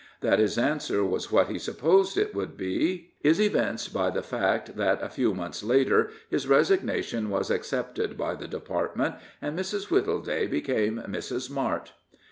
That his answer was what he supposed it would be is evinced by the fact that, a few months later, his resignation was accepted by the Department, and Mrs. Wittleday became Mrs. Martt.